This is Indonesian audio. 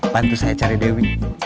bantu saya cari dewi